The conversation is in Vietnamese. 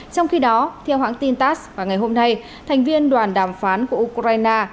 trong khi đó theo hãng tin tass vào ngày hôm nay thành viên đoàn đàm phán của ukraine